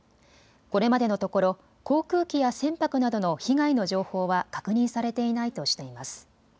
これまでのところ、航空機や船舶などの被害の情報は確認されていないとしています。